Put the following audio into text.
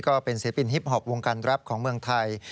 ก็เป็นศิลปินฮิปฮอปวงการแรปของเมืองไทย